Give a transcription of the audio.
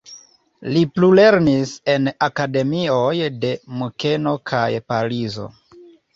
Li plulernis en akademioj de Munkeno kaj Parizo.